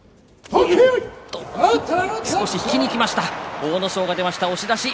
阿武咲が出ました押し出し。